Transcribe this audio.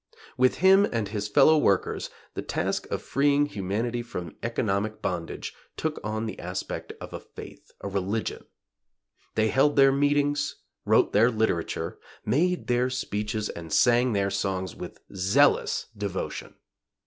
With him and his fellow workers the task of freeing humanity from economic bondage took on the aspect of a faith, a religion. They held their meetings; wrote their literature; made their speeches and sang their songs with zealous devotion.